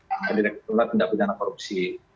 yang berdirektur adalah tindak pidana korupsi